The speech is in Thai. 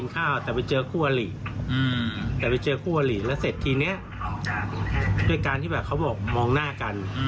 แค่เหตุผลมองหน้ากัน